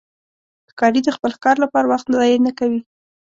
ښکاري د خپل ښکار لپاره وخت ضایع نه کوي.